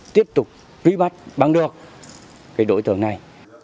tiếp tục truy bắt bằng được đối tượng này